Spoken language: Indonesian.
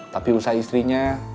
tapi usaha istrinya